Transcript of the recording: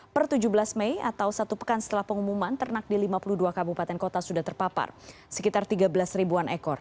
per tujuh belas mei atau satu pekan setelah pengumuman ternak di lima puluh dua kabupaten kota sudah terpapar sekitar tiga belas ribuan ekor